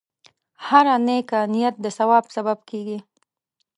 هره نیکه نیت د ثواب سبب کېږي.